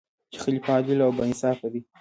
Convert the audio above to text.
چې خلیفه عادل او با انصافه دی.